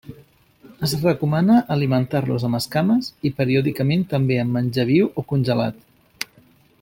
Es recomana alimentar-los amb escames, i periòdicament també amb menjar viu o congelat.